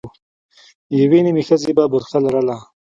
يوې نيمې ښځې به برقه لرله.